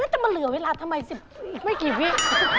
จะมาเหลือเวลาทำไม๑๐ไม่กี่วิ